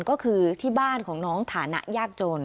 ก็คือที่บ้านของน้องฐานะยากจน